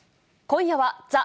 今夜は、ザ！